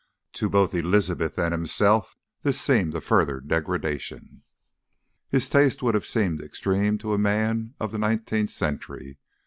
To both Elizabeth and himself this seemed a further degradation. His taste would have seemed extreme to a man of the nineteenth century.